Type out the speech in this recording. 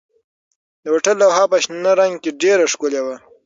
د هوټل لوحه په شنه رنګ کې ډېره ښکلې وه.